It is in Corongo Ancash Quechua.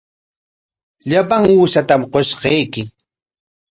Llapan uushatam qushqayki.